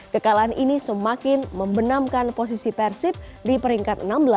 kekalahan ini semakin membenamkan posisi persib di peringkat enam belas